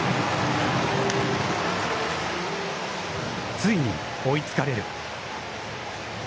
ついに追いつかれる。